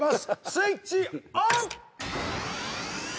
スイッチオン！